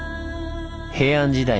平安時代